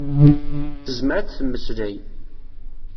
Tezmer ad temmeslay.